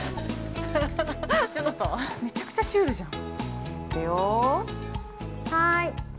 ◆めちゃくちゃシュールじゃん。